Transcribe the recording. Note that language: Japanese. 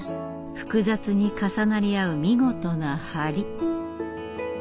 複雑に重なり合う見事な梁。